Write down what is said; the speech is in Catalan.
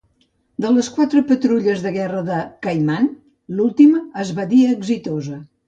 De les quatre patrulles de guerra de "Caiman", l'última es va dir "exitosa".